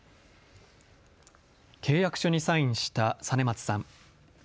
契約書にサインした實松さん。